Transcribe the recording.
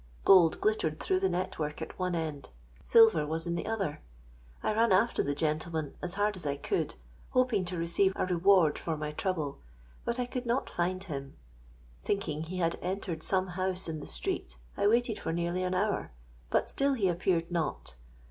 Gold glittered through the net work at one end—silver was in the other. I ran after the gentleman as hard as I could, hoping to receive a reward for my trouble; but I could not find him. Thinking he had entered some house in the street, I waited for nearly an hour—but still he appeared not.